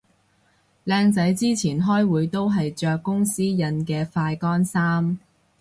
靚仔之前開會都係着公司印嘅快乾衫